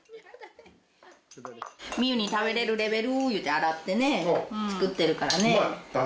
みゆに食べれるレベルいうて洗ってね作ってるからね。